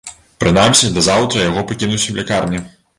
Прынамсі, да заўтра яго пакінуць у лякарні.